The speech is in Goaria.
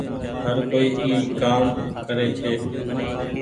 هر ڪوئي اي ڪآم ڪري ڇي۔